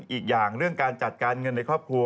อีกอย่างเรื่องการจัดการเงินในครอบครัว